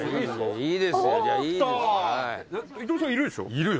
「いるよ」？